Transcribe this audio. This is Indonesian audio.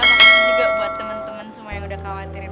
ini juga buat teman teman semua yang udah khawatirin